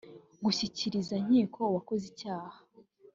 gushyikiriza inkiko uwakoze icyaha